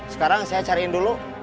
sekarang saya cariin dulu